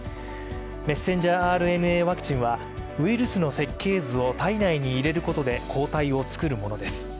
メッセンジャーＲＮＡワクチンはウイルスの設計図を体内に入れることで抗体を作るものです。